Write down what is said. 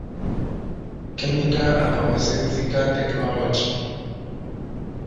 Chemical and Pharmaceutical Technology.